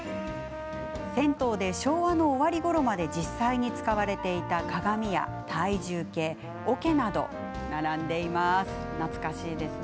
銭湯で昭和の終わりのごろまで実際に銭湯で使われていた鏡や体重計、おけなど懐かしいですよね。